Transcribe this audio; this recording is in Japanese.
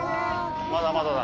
まだまだだ。